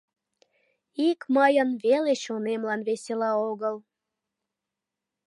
Ик мыйын веле чонемлан весела огыл.